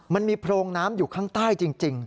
มันมีโพรงน้ำอยู่ข้างใต้จริง